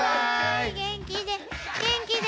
元気で。